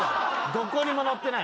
どこにも載ってない。